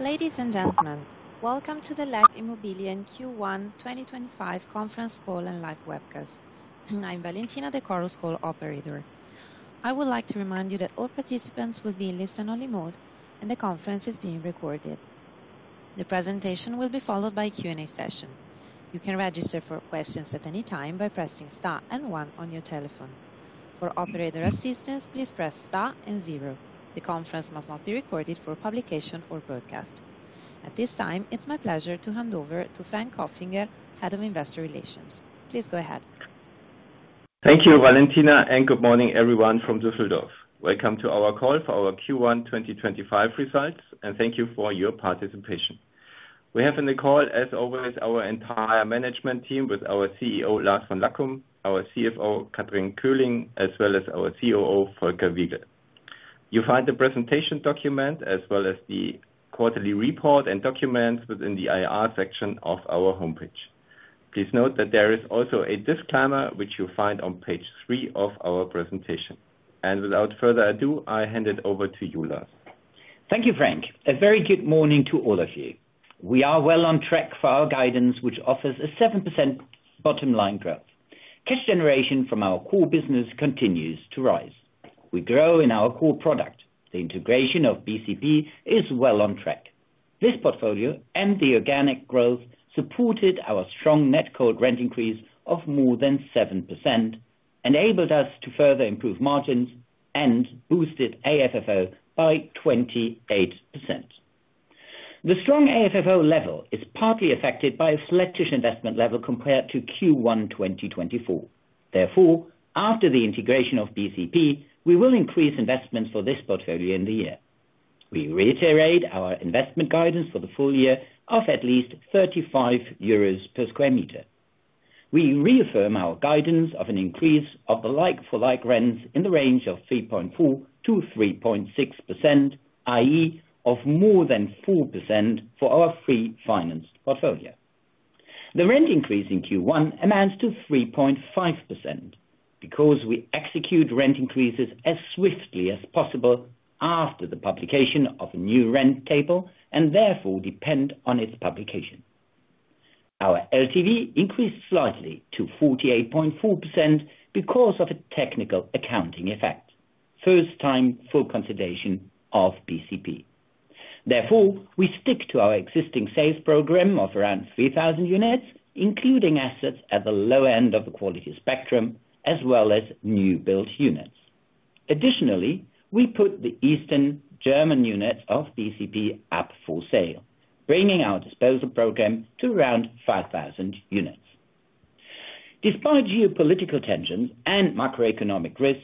Ladies and gentlemen, welcome to the LEG Immobilien Q1 2025 Conference Call and LEG Webcast. I'm Valentina De Coro, School Operator. I would like to remind you that all participants will be in listen-only mode, and the conference is being recorded. The presentation will be followed by a Q&A session. You can register for questions at any time by pressing star and one on your telephone. For operator assistance, please press star and zero. The conference must not be recorded for publication or broadcast. At this time, it's my pleasure to hand over to Frank Kopfinger, Head of Investor Relations. Please go ahead. Thank you, Valentina, and good morning, everyone from Düsseldorf. Welcome to our call for our Q1 2025 results, and thank you for your participation. We have in the call, as always, our entire management team with our CEO, Lars von Lackum, our CFO, Kathrin Köhling, as well as our COO, Volker Wiegel. You'll find the presentation document as well as the quarterly report and documents within the IR section of our homepage. Please note that there is also a disclaimer, which you'll find on page 3 of our presentation. Without further ado, I hand it over to you, Lars. Thank you, Frank. A very good morning to all of you. We are well on track for our guidance, which offers a 7% bottom line growth. Cash generation from our core business continues to rise. We grow in our core product. The integration of BCP is well on track. This portfolio and the organic growth supported our strong net cold rent increase of more than 7%, enabled us to further improve margins, and boosted AFFO by 28%. The strong AFFO level is partly affected by a flattish investment level compared to Q1 2024. Therefore, after the integration of BCP, we will increase investments for this portfolio in the year. We reiterate our investment guidance for the full year of at least 35 euros per sq m. We reaffirm our guidance of an increase of the like-for-like rents in the range of 3.4%-3.6%, i.e., of more than 4% for our free-financed portfolio. The rent increase in Q1 amounts to 3.5% because we execute rent increases as swiftly as possible after the publication of a new rent table and therefore depend on its publication. Our LTV increased slightly to 48.4% because of a technical accounting effect, first time full consideration of BCP. Therefore, we stick to our existing sales program of around 3,000 units, including assets at the low end of the quality spectrum, as well as new-built units. Additionally, we put the Eastern German units of BCP up for sale, bringing our disposal program to around 5,000 units. Despite geopolitical tensions and macroeconomic risks,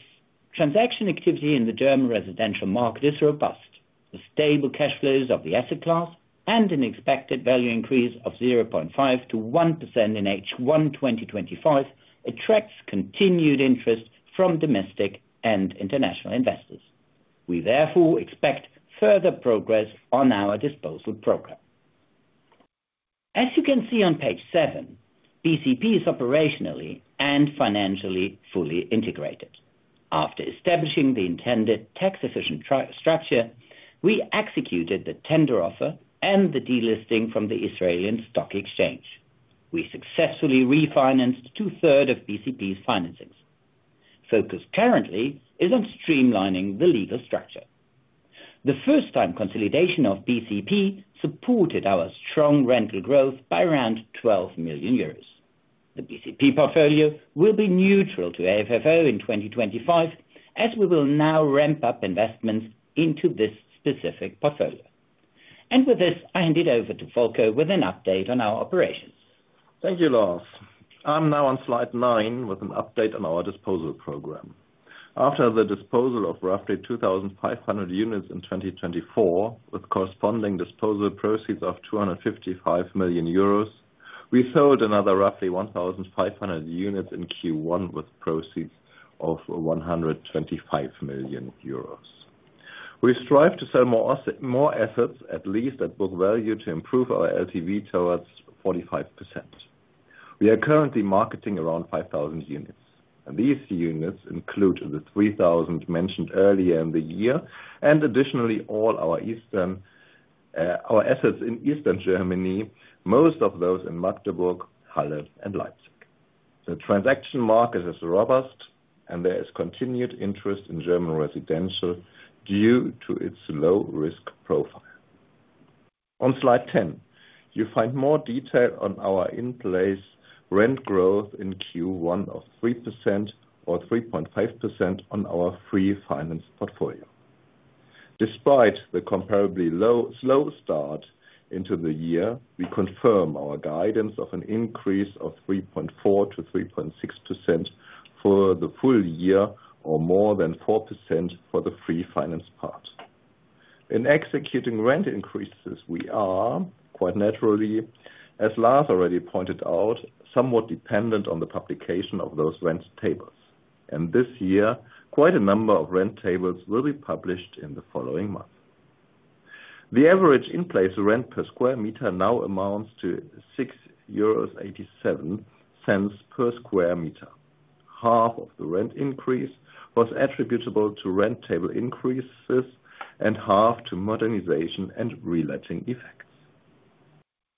transaction activity in the German residential market is robust. The stable cash flows of the asset class and an expected value increase of 0.5%-1% in H1 2025 attracts continued interest from domestic and international investors. We therefore expect further progress on our disposal program. As you can see on page 7, BCP is operationally and financially fully integrated. After establishing the intended tax-efficient structure, we executed the tender offer and the delisting from the Israeli Stock Exchange. We successfully refinanced two-thirds of BCP's financings. Focus currently is on streamlining the legal structure. The first-time consolidation of BCP supported our strong rental growth by around 12 million euros. The BCP portfolio will be neutral to AFFO in 2025, as we will now ramp up investments into this specific portfolio. With this, I hand it over to Volker with an update on our operations. Thank you, Lars. I'm now on slide 9 with an update on our disposal program. After the disposal of roughly 2,500 units in 2024, with corresponding disposal proceeds of 255 million euros, we sold another roughly 1,500 units in Q1 with proceeds of 125 million euros. We strive to sell more assets, at least at book value, to improve our LTV towards 45%. We are currently marketing around 5,000 units. These units include the 3,000 mentioned earlier in the year and additionally all our assets in Eastern Germany, most of those in Magdeburg, Halle, and Leipzig. The transaction market is robust, and there is continued interest in German residential due to its low-risk profile. On slide 10, you find more detail on our in-place rent growth in Q1 of 3% or 3.5% on our free-financed portfolio. Despite the comparably slow start into the year, we confirm our guidance of an increase of 3.4%-3.6% for the full year or more than 4% for the free-financed part. In executing rent increases, we are, quite naturally, as Lars already pointed out, somewhat dependent on the publication of those rent tables. This year, quite a number of rent tables will be published in the following month. The average in-place rent per sq m now amounts to 6.87 euros per sq m. Half of the rent increase was attributable to rent table increases and half to modernization and reletting effects.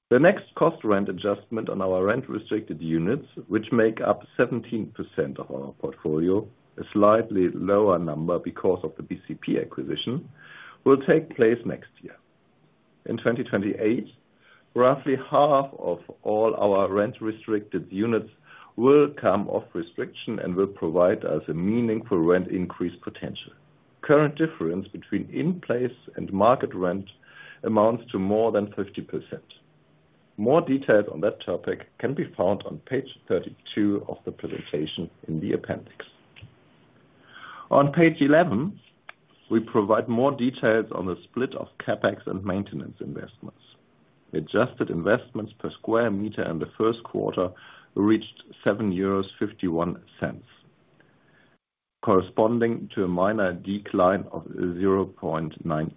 The next cost rent adjustment on our rent-restricted units, which make up 17% of our portfolio, a slightly lower number because of the BCP acquisition, will take place next year. In 2028, roughly half of all our rent-restricted units will come off restriction and will provide us a meaningful rent increase potential. Current difference between in-place and market rent amounts to more than 50%. More details on that topic can be found on page 32 of the presentation in the appendix. On page 11, we provide more details on the split of CapEx and maintenance investments. Adjusted investments per sq m in the first quarter reached 7.51 euros, corresponding to a minor decline of 0.9%.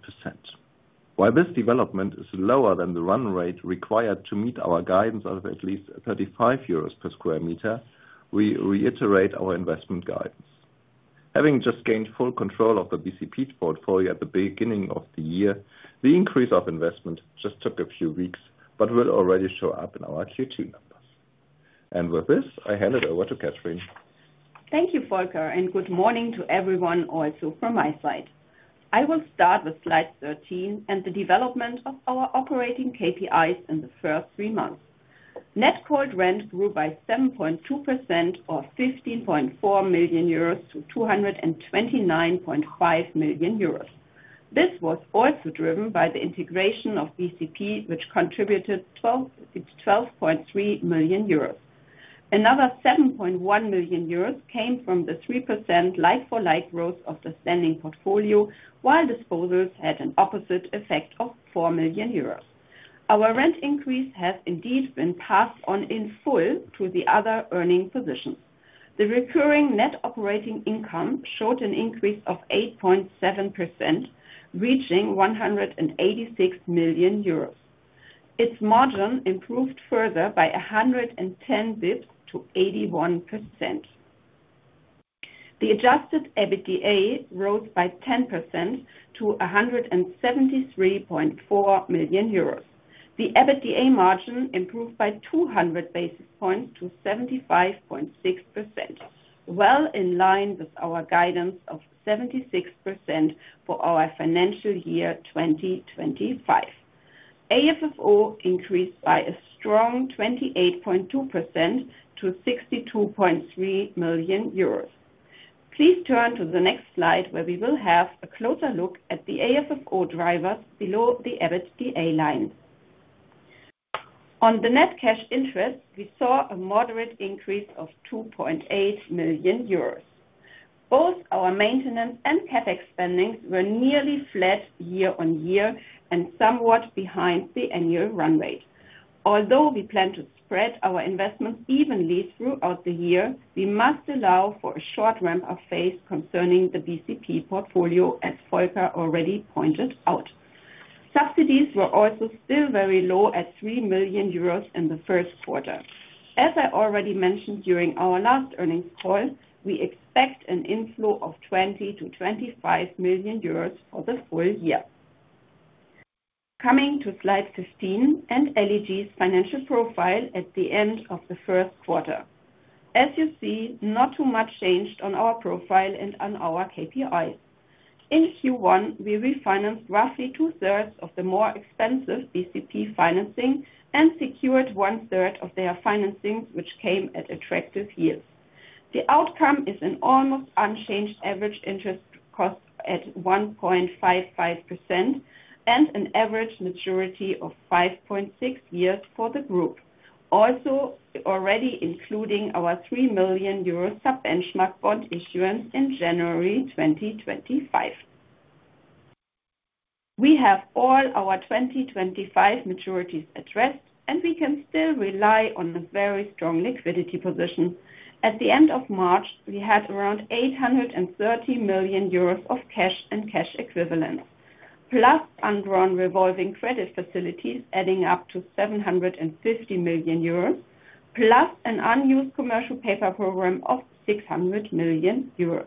While this development is lower than the run rate required to meet our guidance of at least 35 euros per sq m, we reiterate our investment guidance. Having just gained full control of the BCP portfolio at the beginning of the year, the increase of investment just took a few weeks but will already show up in our Q2 numbers. With this, I hand it over to Kathrin. Thank you, Volker, and good morning to everyone also from my side. I will start with slide 13 and the development of our operating KPIs in the first three months. Net cold rent grew by 7.2%, or 15.4 million euros, to 229.5 million euros. This was also driven by the integration of BCP, which contributed 12.3 million euros. Another 7.1 million euros came from the 3% like-for-like growth of the standing portfolio, while disposals had an opposite effect of 4 million euros. Our rent increase has indeed been passed on in full to the other earning positions. The recurring net operating income showed an increase of 8.7%, reaching 186 million euros. Its margin improved further by 110 basis points to 81%. The adjusted EBITDA rose by 10% to 173.4 million euros. The EBITDA margin improved by 200 basis points to 75.6%, well in line with our guidance of 76% for our financial year 2025. AFFO increased by a strong 28.2% to 62.3 million euros. Please turn to the next slide, where we will have a closer look at the AFFO drivers below the EBITDA line. On the net cash interest, we saw a moderate increase of 2.8 million euros. Both our maintenance and CapEx spendings were nearly flat year on year and somewhat behind the annual run rate. Although we plan to spread our investments evenly throughout the year, we must allow for a short ramp-up phase concerning the BCP portfolio, as Volker already pointed out. Subsidies were also still very low at 3 million euros in the first quarter. As I already mentioned during our last earnings call, we expect an inflow of 20-25 million euros for the full year. Coming to slide 15 and LEG's financial profile at the end of the first quarter. As you see, not too much changed on our profile and on our KPIs. In Q1, we refinanced roughly two-thirds of the more expensive BCP financing and secured one-third of their financing, which came at attractive yields. The outcome is an almost unchanged average interest cost at 1.55% and an average maturity of 5.6 years for the group, also already including our 3 million euro sub-benchmark bond issuance in January 2025. We have all our 2025 maturities addressed, and we can still rely on a very strong liquidity position. At the end of March, we had around 830 million euros of cash and cash equivalents, plus unbroken revolving credit facilities adding up to 750 million euros, plus an unused commercial paper program of 600 million euros.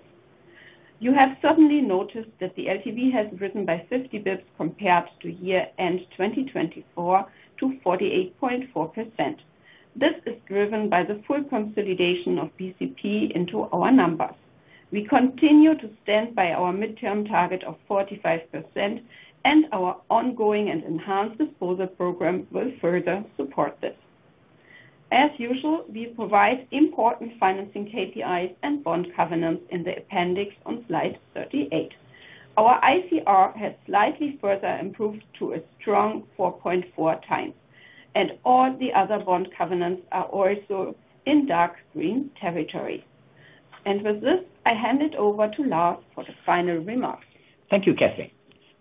You have certainly noticed that the LTV has risen by 50 basis points compared to year-end 2024 to 48.4%. This is driven by the full consolidation of BCP into our numbers. We continue to stand by our midterm target of 45%, and our ongoing and enhanced disposal program will further support this. As usual, we provide important financing KPIs and bond covenants in the appendix on slide 38. Our ICR has slightly further improved to a strong 4.4 times, and all the other bond covenants are also in dark green territory. With this, I hand it over to Lars for the final remarks. Thank you, Kathrin.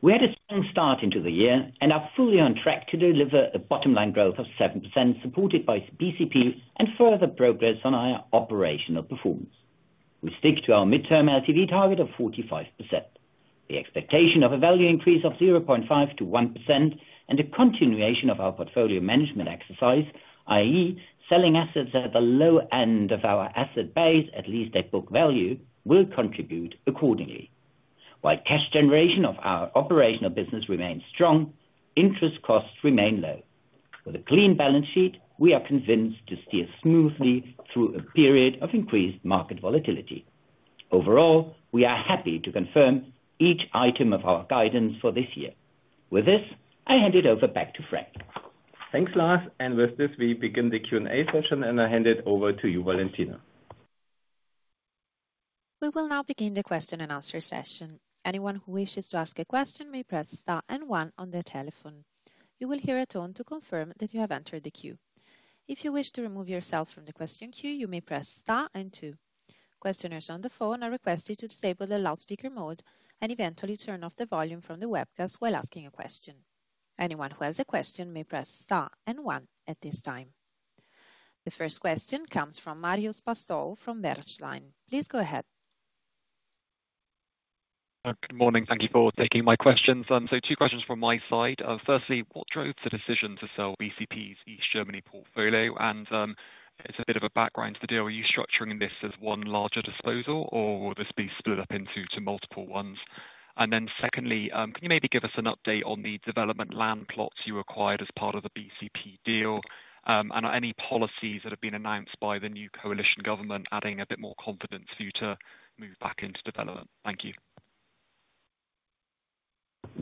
We had a strong start into the year and are fully on track to deliver a bottom line growth of 7% supported by BCP and further progress on our operational performance. We stick to our midterm LTV target of 45%. The expectation of a value increase of 0.5%-1% and a continuation of our portfolio management exercise, i.e., selling assets at the low end of our asset base at least at book value, will contribute accordingly. While cash generation of our operational business remains strong, interest costs remain low. With a clean balance sheet, we are convinced to steer smoothly through a period of increased market volatility. Overall, we are happy to confirm each item of our guidance for this year. With this, I hand it over back to Frank. Thanks, Lars. With this, we begin the Q&A session, and I hand it over to you, Valentina. We will now begin the question and answer session. Anyone who wishes to ask a question may press Star and 1 on their telephone. You will hear a tone to confirm that you have entered the queue. If you wish to remove yourself from the question queue, you may press Star and 2. Questioners on the phone are requested to disable the loudspeaker mode and eventually turn off the volume from the webcast while asking a question. Anyone who has a question may press Star and 1 at this time. The first question comes from Marios Pastou from Bernstein. Please go ahead. Good morning. Thank you for taking my questions. Two questions from my side. Firstly, what drove the decision to sell BCP's East Germany portfolio? It is a bit of a background to the deal. Are you structuring this as one larger disposal, or will this be split up into multiple ones? Secondly, can you maybe give us an update on the development land plots you acquired as part of the BCP deal and any policies that have been announced by the new coalition government adding a bit more confidence for you to move back into development? Thank you.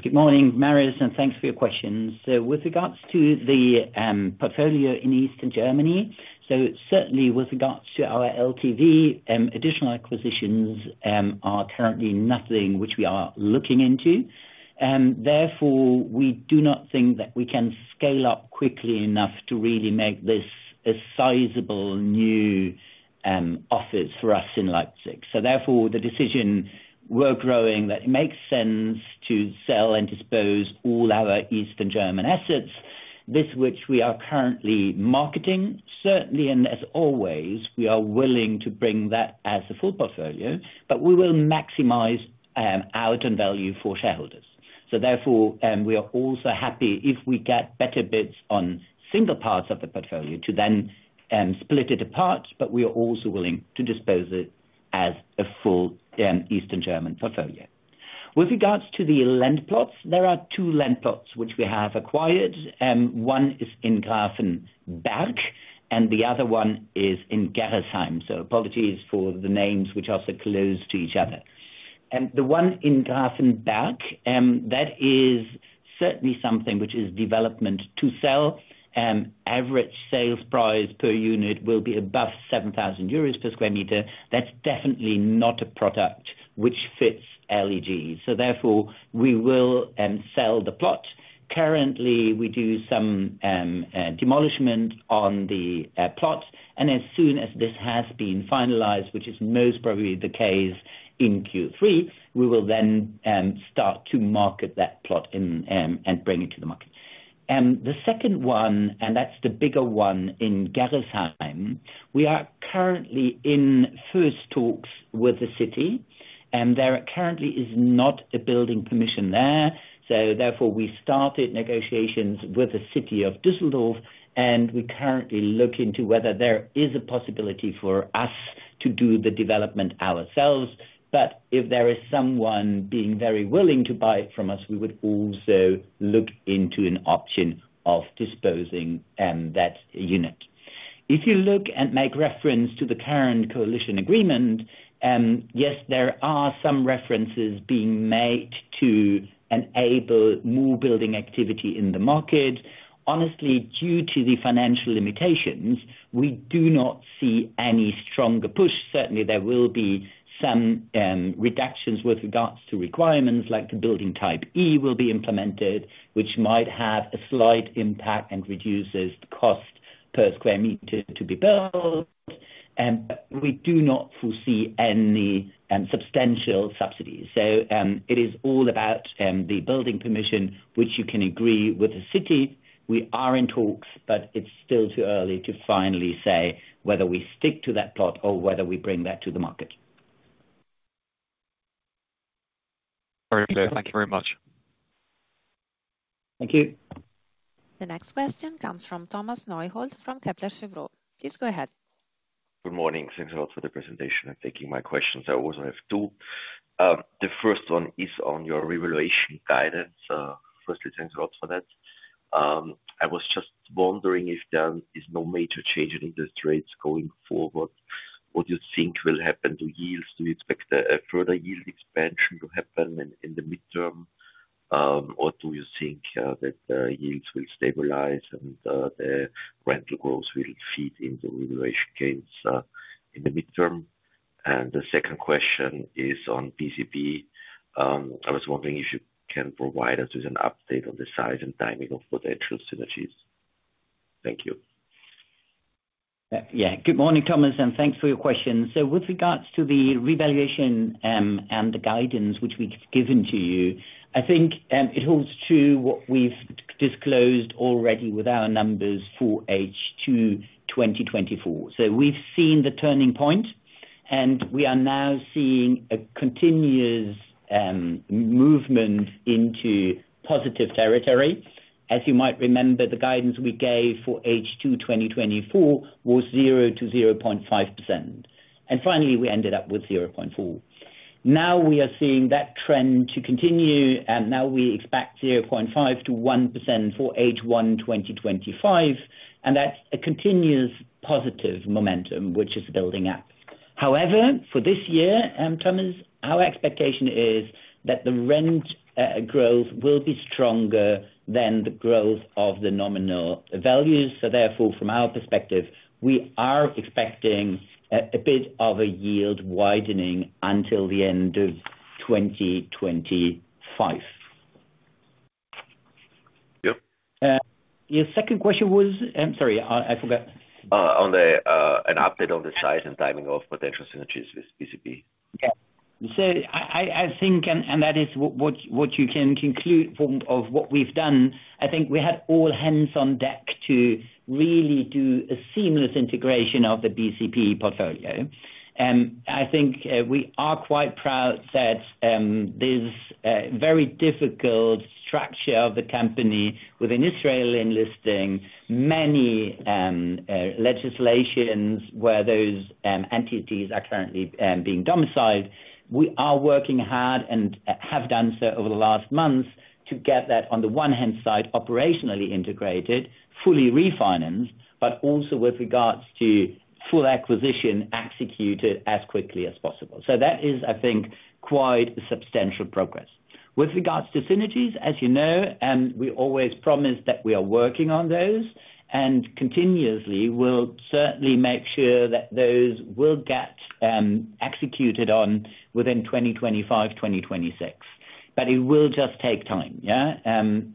Good morning, Marios, and thanks for your questions. With regards to the portfolio in Eastern Germany, certainly with regards to our LTV, additional acquisitions are currently nothing which we are looking into. Therefore, we do not think that we can scale up quickly enough to really make this a sizable new office for us in Leipzig. Therefore, the decision, we're growing that it makes sense to sell and dispose of all our Eastern German assets, this which we are currently marketing, certainly, and as always, we are willing to bring that as a full portfolio, but we will maximize our added value for shareholders. Therefore, we are also happy if we get better bids on single parts of the portfolio to then split it apart, but we are also willing to dispose of it as a full Eastern German portfolio. With regards to the land plots, there are two land plots which we have acquired. One is in Grafenberg, and the other one is in Gerresheim. Apologies for the names which are so close to each other. The one in Grafenberg, that is certainly something which is development to sell. Average sales price per unit will be above 7,000 euros per sq m. That is definitely not a product which fits LEG. Therefore, we will sell the plot. Currently, we do some demolishment on the plot, and as soon as this has been finalized, which is most probably the case in Q3, we will then start to market that plot and bring it to the market. The second one, and that is the bigger one in Gerresheim, we are currently in first talks with the city. There currently is not a building permission there. Therefore, we started negotiations with the city of Düsseldorf, and we currently look into whether there is a possibility for us to do the development ourselves. If there is someone being very willing to buy it from us, we would also look into an option of disposing of that unit. If you look and make reference to the current coalition agreement, yes, there are some references being made to enable more building activity in the market. Honestly, due to the financial limitations, we do not see any stronger push. Certainly, there will be some reductions with regards to requirements like the building type E will be implemented, which might have a slight impact and reduces the cost per square meter to be built. We do not foresee any substantial subsidies. It is all about the building permission, which you can agree with the city. We are in talks, but it's still too early to finally say whether we stick to that plot or whether we bring that to the market. Very clear. Thank you very much. Thank you. The next question comes from Thomas Neuhold from Kepler Cheuvreux. Please go ahead. Good morning. Thanks a lot for the presentation. Thanks for taking my questions. I also have two. The first one is on your revaluation guidance. Firstly, thanks a lot for that. I was just wondering if there is no major change in interest rates going forward. What do you think will happen to yields? Do you expect a further yield expansion to happen in the midterm, or do you think that yields will stabilize and the rental growth will feed into revaluation gains in the midterm? The second question is on BCP. I was wondering if you can provide us with an update on the size and timing of potential synergies. Thank you. Yeah. Good morning, Thomas, and thanks for your question. With regards to the revaluation and the guidance which we've given to you, I think it holds true what we've disclosed already with our numbers for H2 2024. We've seen the turning point, and we are now seeing a continuous movement into positive territory. As you might remember, the guidance we gave for H2 2024 was 0-0.5%. Finally, we ended up with 0.4%. Now we are seeing that trend continue, and now we expect 0.5-1% for H1 2025. That's a continuous positive momentum, which is building up. However, for this year, Thomas, our expectation is that the rent growth will be stronger than the growth of the nominal values. Therefore, from our perspective, we are expecting a bit of a yield widening until the end of 2025. Yep. Your second question was, I'm sorry, I forgot. On an update on the size and timing of potential synergies with BCP? Yeah. I think, and that is what you can conclude of what we've done, I think we had all hands on deck to really do a seamless integration of the BCP portfolio. I think we are quite proud that this very difficult structure of the company within Israel enlisting many legislations where those entities are currently being domiciled. We are working hard and have done so over the last months to get that, on the one hand side, operationally integrated, fully refinanced, but also with regards to full acquisition executed as quickly as possible. That is, I think, quite a substantial progress. With regards to synergies, as you know, we always promise that we are working on those and continuously will certainly make sure that those will get executed within 2025, 2026. It will just take time.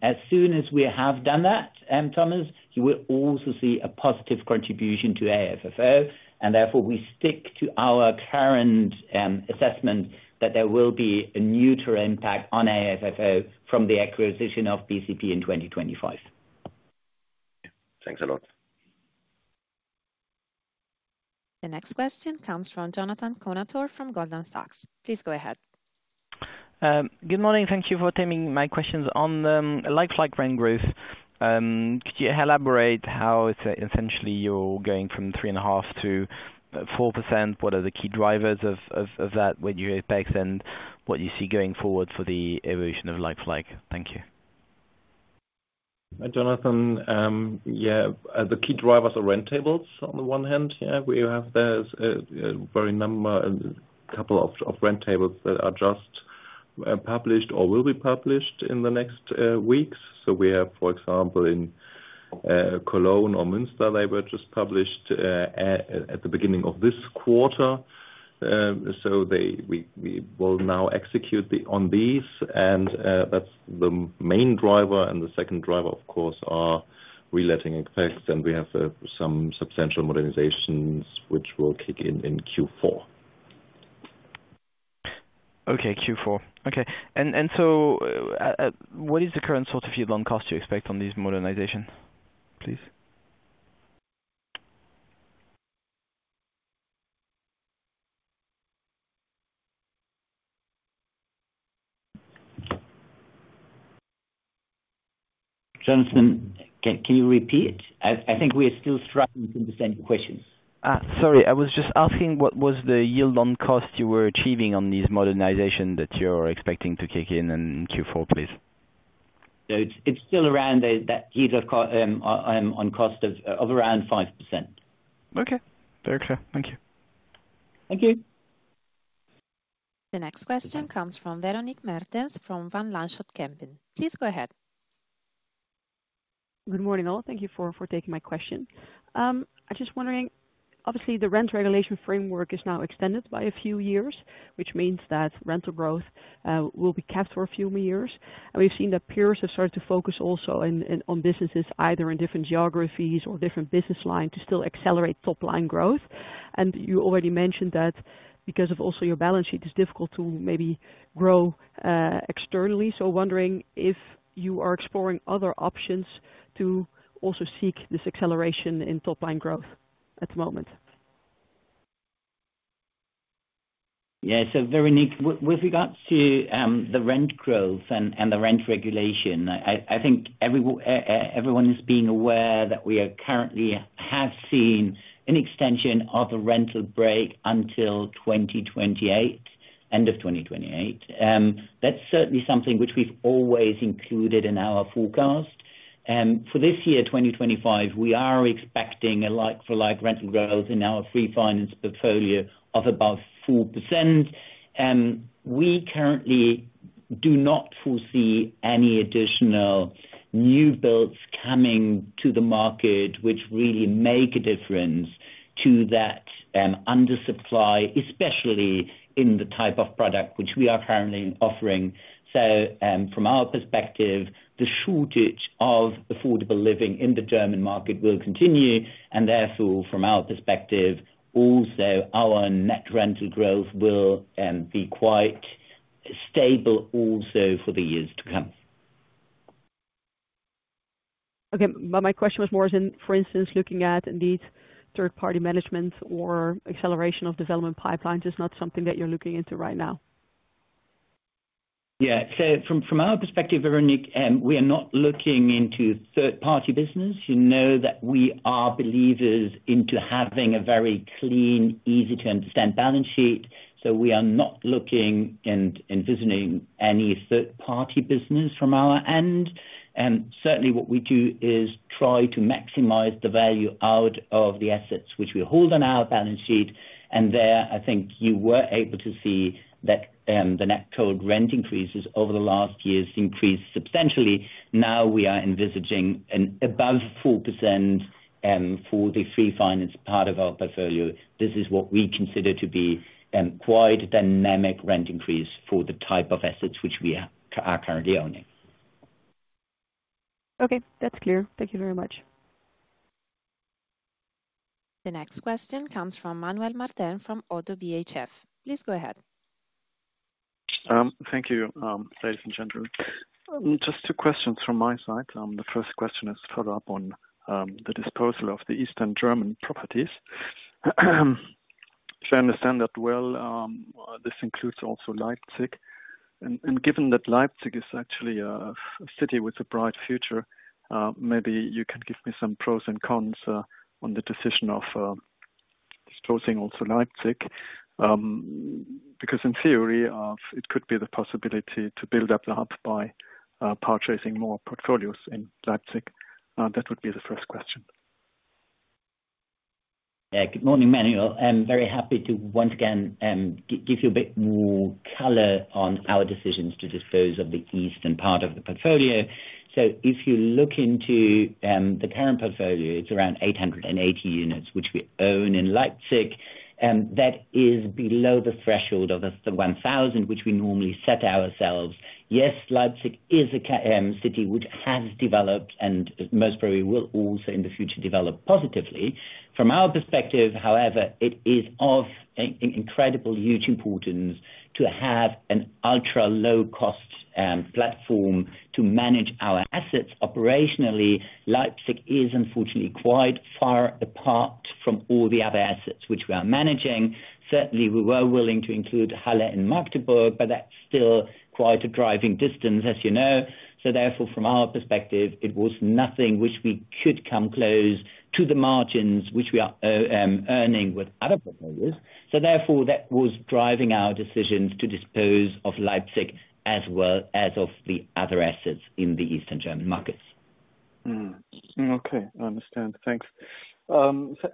As soon as we have done that, Thomas, you will also see a positive contribution to AFFO. Therefore, we stick to our current assessment that there will be a neutral impact on AFFO from the acquisition of BCP in 2025. Thanks a lot. The next question comes from Jonathan Kownator from Goldman Sachs. Please go ahead. Good morning. Thank you for attending my questions on the like-for-like rent growth. Could you elaborate how essentially you're going from 3.5% to 4%? What are the key drivers of that? What do you expect and what do you see going forward for the evolution of like-for-like? Thank you. Jonathan, yeah, the key drivers are rent tables on the one hand. Yeah, we have a very, a couple of rent tables that are just published or will be published in the next weeks. We have, for example, in Cologne or Münster, they were just published at the beginning of this quarter. We will now execute on these. That is the main driver. The second driver, of course, are reletting effects. We have some substantial modernizations which will kick in in Q4. Okay, Q4. Okay. What is the current sort of yield on cost you expect on these modernizations? Please. Jonathan, can you repeat? I think we are still struggling to understand your questions. Sorry, I was just asking what was the yield on cost you were achieving on these modernizations that you're expecting to kick in in Q4, please? It's still around that yield on cost of around 5%. Okay. Very clear. Thank you. Thank you. The next question comes from Veronique Meertens from Van Lanschot Kempen. Please go ahead. Good morning all. Thank you for taking my question. I'm just wondering, obviously, the rent regulation framework is now extended by a few years, which means that rental growth will be capped for a few more years. We've seen that peers have started to focus also on businesses either in different geographies or different business lines to still accelerate top-line growth. You already mentioned that because of also your balance sheet, it's difficult to maybe grow externally. I'm wondering if you are exploring other options to also seek this acceleration in top-line growth at the moment. Yeah, so Veronique, with regards to the rent growth and the rent regulation, I think everyone is being aware that we currently have seen an extension of the rental break until 2028, end of 2028. That is certainly something which we have always included in our forecast. For this year, 2025, we are expecting a like-for-like rental growth in our refinance portfolio of above 4%. We currently do not foresee any additional new builds coming to the market which really make a difference to that undersupply, especially in the type of product which we are currently offering. From our perspective, the shortage of affordable living in the German market will continue. Therefore, from our perspective, also our net rental growth will be quite stable also for the years to come. Okay. My question was more as in, for instance, looking at indeed third-party management or acceleration of development pipelines is not something that you're looking into right now. Yeah. From our perspective, Veronique, we are not looking into third-party business. You know that we are believers in having a very clean, easy-to-understand balance sheet. We are not looking and envisioning any third-party business from our end. Certainly, what we do is try to maximize the value out of the assets which we hold on our balance sheet. There, I think you were able to see that the net cold rent increases over the last years increased substantially. Now we are envisaging an above 4% for the refinance part of our portfolio. This is what we consider to be quite a dynamic rent increase for the type of assets which we are currently owning. Okay. That's clear. Thank you very much. The next question comes from Manuel Martin from Oddo BHF. Please go ahead. Thank you, ladies and gentlemen. Just two questions from my side. The first question is follow-up on the disposal of the Eastern German properties. If I understand that well, this includes also Leipzig. Given that Leipzig is actually a city with a bright future, maybe you can give me some pros and cons on the decision of disposing also Leipzig. Because in theory, it could be the possibility to build up that by purchasing more portfolios in Leipzig. That would be the first question. Yeah. Good morning, Manuel. I'm very happy to once again give you a bit more color on our decisions to dispose of the eastern part of the portfolio. If you look into the current portfolio, it's around 880 units which we own in Leipzig. That is below the threshold of the 1,000 which we normally set ourselves. Yes, Leipzig is a city which has developed and most probably will also in the future develop positively. From our perspective, however, it is of incredible huge importance to have an ultra-low-cost platform to manage our assets operationally. Leipzig is unfortunately quite far apart from all the other assets which we are managing. Certainly, we were willing to include Halle and Magdeburg, but that's still quite a driving distance, as you know. Therefore, from our perspective, it was nothing which we could come close to the margins which we are earning with other portfolios. Therefore, that was driving our decisions to dispose of Leipzig as well as of the other assets in the Eastern German markets. Okay. I understand. Thanks.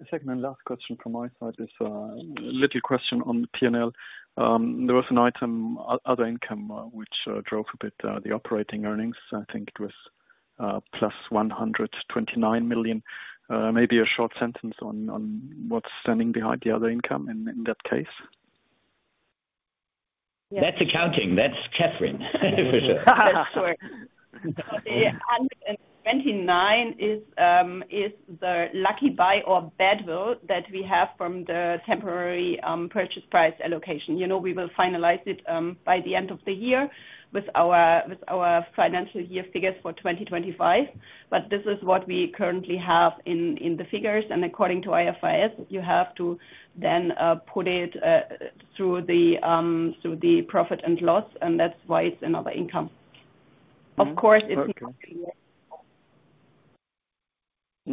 Second and last question from my side is a little question on P&L. There was an item, other income, which drove a bit the operating earnings. I think it was plus 129 million. Maybe a short sentence on what's standing behind the other income in that case. That's accounting. That's Kathrin, for sure. That's correct. And 29 is the lucky buy or bad buy that we have from the temporary purchase price allocation. You know we will finalize it by the end of the year with our financial year figures for 2025. But this is what we currently have in the figures. And according to IFRS, you have to then put it through the profit and loss. And that's why it's another income. Of course, it's not.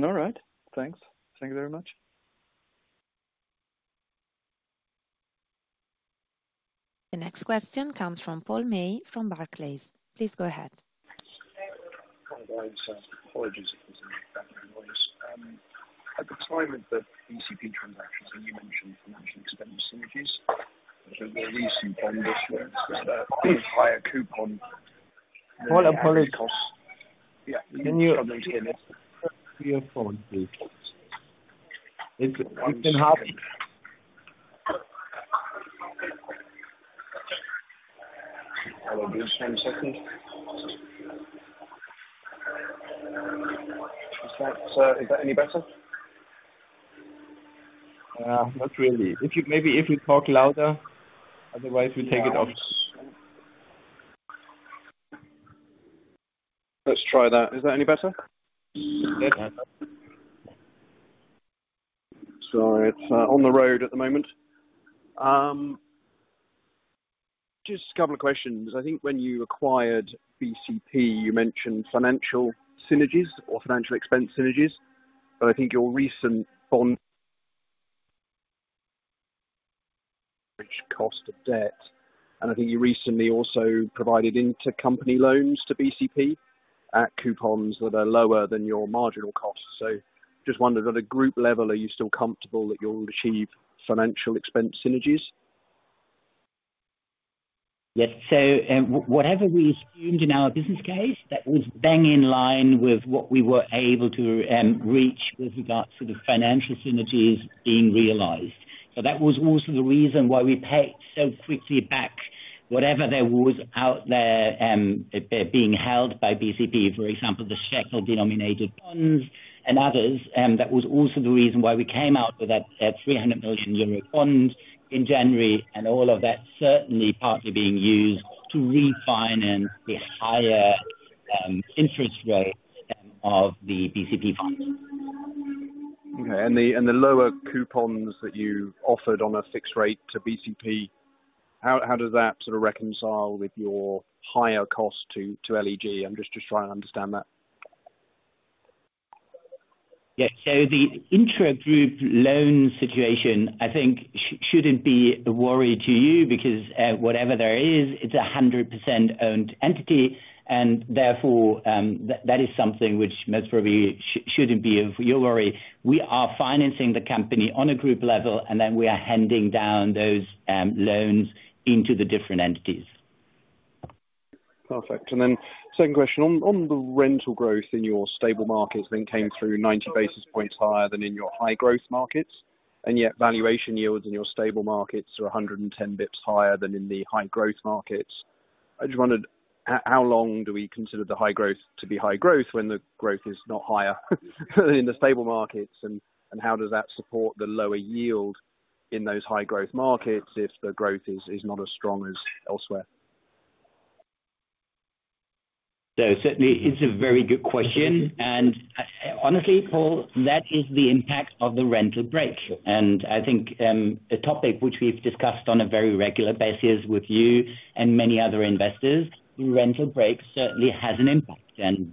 All right. Thanks. Thank you very much. The next question comes from Paul May from Barclays. Please go ahead. Hi guys. Apologies for the background noise. At the time of the BCP transactions, you mentioned financial expenditure synergies. There were recent bond issues. There is a higher coupon. Paul, apologies. Can you? Be a moment, please. It's been hard. Hold on just one second. Is that any better? Not really. Maybe if you talk louder. Otherwise, we take it off. Let's try that. Is that any better? Yes. Sorry. It's on the road at the moment. Just a couple of questions. I think when you acquired BCP, you mentioned financial synergies or financial expense synergies. I think your recent bond average cost of debt, and I think you recently also provided intercompany loans to BCP at coupons that are lower than your marginal cost. I just wondered, at a group level, are you still comfortable that you'll achieve financial expense synergies? Yes. Whatever we assumed in our business case, that was bang in line with what we were able to reach with regards to the financial synergies being realized. That was also the reason why we paid so quickly back whatever there was out there being held by BCP, for example, the shekel-denominated bonds and others. That was also the reason why we came out with that 300 million euro bond in January and all of that certainly partly being used to refinance the higher interest rate of the BCP funds. Okay. The lower coupons that you offered on a fixed rate to BCP, how does that sort of reconcile with your higher cost to LEG? I'm just trying to understand that. Yes. The intra-group loan situation, I think, should not be a worry to you because whatever there is, it is a 100% owned entity. Therefore, that is something which most probably should not be of your worry. We are financing the company on a group level, and then we are handing down those loans into the different entities. Perfect. Then second question. On the rental growth in your stable markets, I think came through 90 basis points higher than in your high-growth markets. Yet, valuation yields in your stable markets are 110 basis points higher than in the high-growth markets. I just wondered, how long do we consider the high growth to be high growth when the growth is not higher than in the stable markets? How does that support the lower yield in those high-growth markets if the growth is not as strong as elsewhere? Certainly, it is a very good question. Honestly, Paul, that is the impact of the rental break. I think a topic which we have discussed on a very regular basis with you and many other investors, rental break certainly has an impact.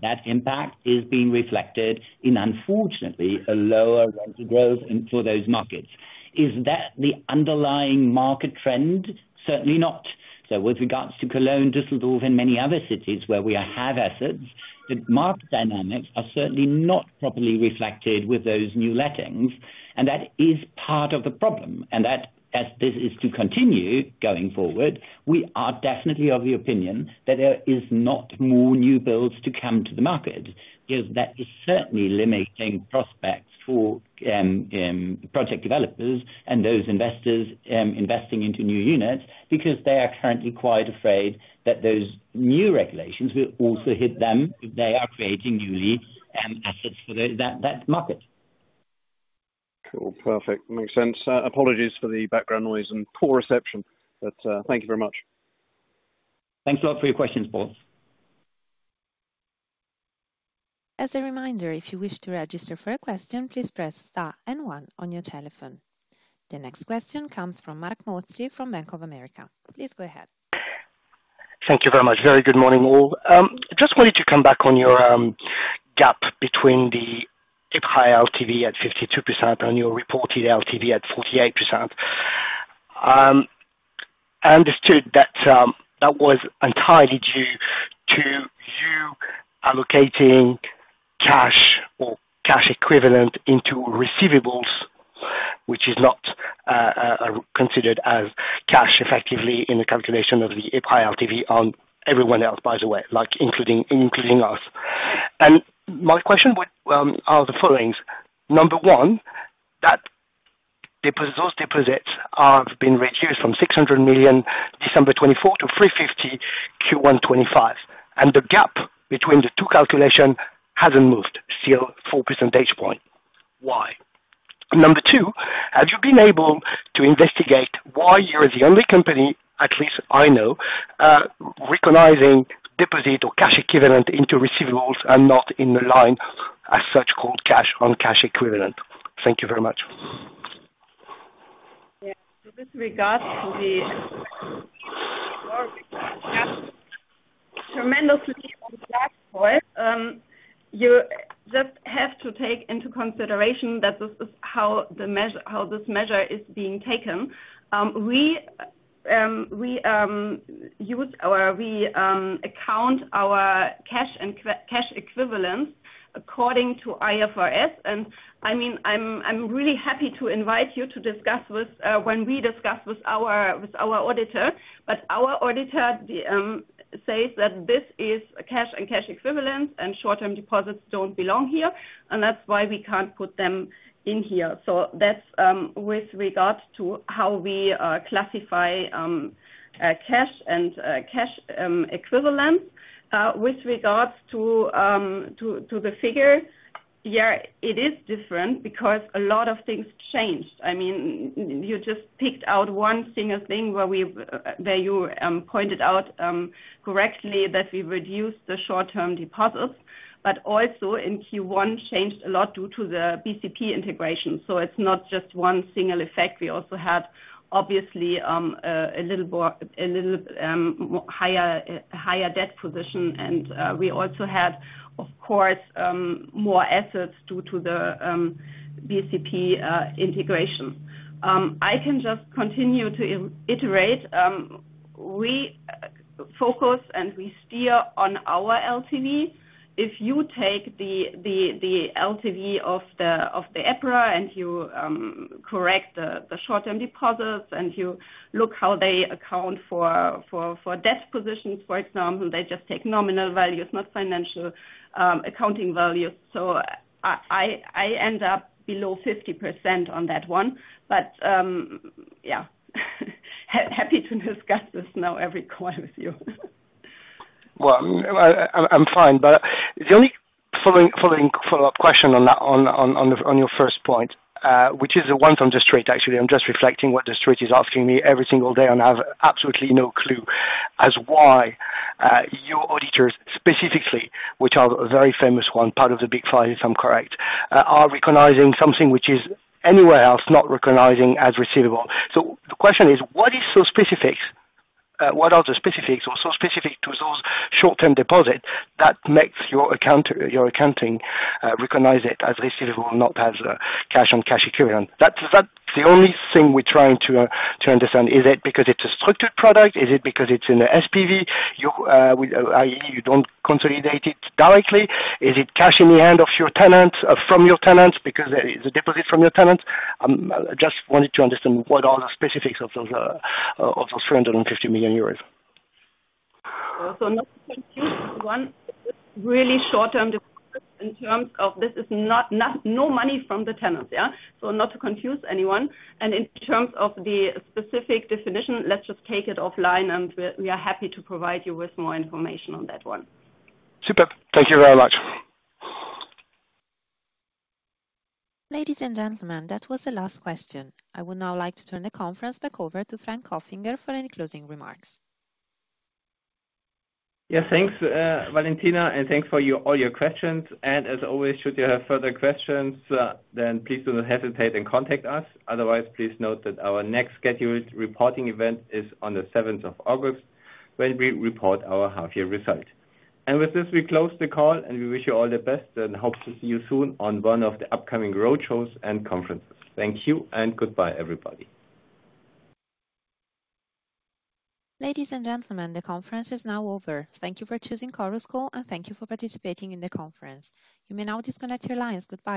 That impact is being reflected in, unfortunately, a lower rental growth for those markets. Is that the underlying market trend? Certainly not. With regards to Cologne, Düsseldorf, and many other cities where we have assets, the market dynamics are certainly not properly reflected with those new lettings. That is part of the problem. As this is to continue going forward, we are definitely of the opinion that there are not more new builds to come to the market. That is certainly limiting prospects for project developers and those investors investing into new units because they are currently quite afraid that those new regulations will also hit them if they are creating newly assets for that market. Cool. Perfect. Makes sense. Apologies for the background noise and poor reception. Thank you very much. Thanks a lot for your questions, Paul. As a reminder, if you wish to register for a question, please press star and one on your telephone. The next question comes from Marc Mozzi from Bank of America. Please go ahead. Thank you very much. Very good morning, all. Just wanted to come back on your gap between the high LTV at 52% and your reported LTV at 48%. I understood that that was entirely due to you allocating cash or cash equivalent into receivables, which is not considered as cash effectively in the calculation of the high LTV on everyone else, by the way, including us. My questions are the following. Number one, that those deposits have been reduced from 600 million December 2024 to 350 million Q1 2025. The gap between the two calculations has not moved, still 4 percentage points. Why? Number two, have you been able to investigate why you are the only company, at least I know, recognizing deposit or cash equivalent into receivables and not in the line as such called cash on cash equivalent? Thank you very much. Yeah. With regards to the tremendously on Blackpool, you just have to take into consideration that this is how this measure is being taken. We use or we account our cash equivalents according to IFRS. I mean, I'm really happy to invite you to discuss with when we discuss with our auditor. Our auditor says that this is cash and cash equivalents, and short-term deposits do not belong here. That is why we cannot put them in here. That is with regards to how we classify cash and cash equivalents. With regards to the figure, yeah, it is different because a lot of things changed. I mean, you just picked out one single thing where you pointed out correctly that we reduced the short-term deposits. Also, in Q1, changed a lot due to the BCP integration. It is not just one single effect. We also had, obviously, a little more higher debt position. We also had, of course, more assets due to the BCP integration. I can just continue to iterate. We focus and we steer on our LTV. If you take the LTV of the EPRA and you correct the short-term deposits and you look how they account for debt positions, for example, they just take nominal values, not financial accounting values. I end up below 50% on that one. Yeah, happy to discuss this now every quarter with you. I'm fine. The only following follow-up question on your first point, which is the one from Distriq, actually. I'm just reflecting what Distriq is asking me every single day and I have absolutely no clue as to why your auditors specifically, which are a very famous one, part of the big five, if I'm correct, are recognizing something which is anywhere else not recognizing as receivable. The question is, what is so specific? What are the specifics or so specific to those short-term deposits that makes your accounting recognize it as receivable, not as cash on cash equivalent? That's the only thing we're trying to understand. Is it because it's a structured product? Is it because it's in the SPV? I mean, you don't consolidate it directly. Is it cash in the hand of your tenants from your tenants because it's a deposit from your tenants? I just wanted to understand what are the specifics of those 350 million euros? Also, not to confuse one really short-term deposit in terms of this is no money from the tenants, yeah? Not to confuse anyone. In terms of the specific definition, let's just take it offline. We are happy to provide you with more information on that one. Super. Thank you very much. Ladies and gentlemen, that was the last question. I would now like to turn the conference back over to Frank Kopfinger for any closing remarks. Yes, thanks, Valentina. Thanks for all your questions. As always, should you have further questions, then please do not hesitate and contact us. Otherwise, please note that our next scheduled reporting event is on the 7th of August when we report our half-year result. With this, we close the call. We wish you all the best and hope to see you soon on one of the upcoming roadshows and conferences. Thank you and goodbye, everybody. Ladies and gentlemen, the conference is now over. Thank you for choosing LEG Immobilien, and thank you for participating in the conference. You may now disconnect your lines. Goodbye.